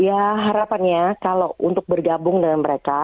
ya harapannya kalau untuk bergabung dengan mereka